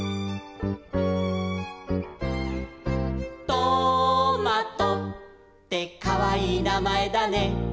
「トマトってかわいいなまえだね」